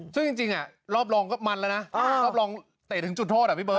ซึ่งจริงจริงอ่ะรอบรองก็มันแล้วน่ะอ้าวรอบรองเตะถึงจุดโทษอ่ะพี่เบิ้ล